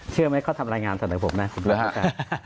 เชื่อไหมเขาทำรายงานเสนอผมนะคุณปาบรับตาม